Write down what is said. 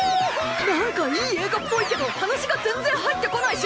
なんかいい映画っぽいけど話が全然入ってこないし！